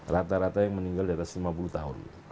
rata rata yang meninggal di atas lima puluh tahun